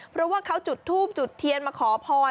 เพราะว่าเขาจุดทูบจุดเทียนมาขอพร